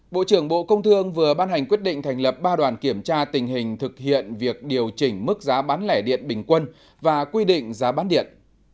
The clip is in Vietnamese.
bộ trưởng bộ công thương vừa ban hành quyết định thành lập ba đoàn kiểm tra tình hình thực hiện việc điều chỉnh mức giá bán lẻ điện bình quân và quy định giá bán điện